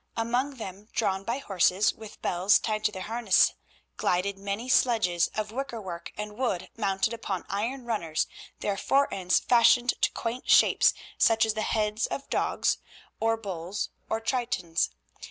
Among them, drawn by horses with bells tied to their harness, glided many sledges of wickerwork and wood mounted upon iron runners, their fore ends fashioned to quaint shapes, such as the heads of dogs or bulls, or Tritons.